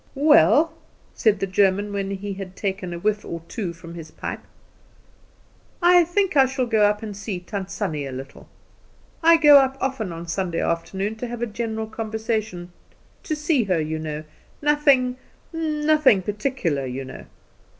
"Well," said the German, when he had taken a whiff or two more from his pipe, "I think I shall go up and see Tant Sannie a little. I go up often on Sunday afternoon to have a general conversation, to see her, you know. Nothing nothing particular, you know."